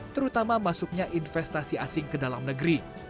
terutama masuknya investasi asing ke dalam negeri